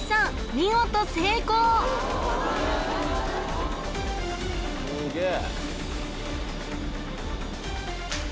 見事成功すげえ